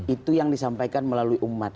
itu yang disampaikan melalui umat